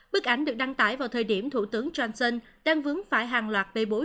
bức ảnh được đăng tải vào thời điểm thủ tướng johnson đang vướng phải hàng loạt bê bối